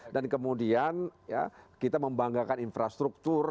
dan kemudian kita membanggakan infrastruktur